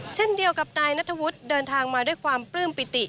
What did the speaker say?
เช่นเดียวกับนายนัทวุฒิเดินทางมาด้วยความปลื้มปิติ